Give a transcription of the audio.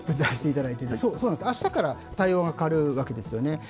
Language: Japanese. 明日から対応が変わるわけですよね。